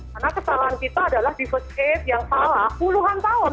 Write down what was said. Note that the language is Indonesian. karena kesalahan kita adalah di first cate yang salah puluhan tahun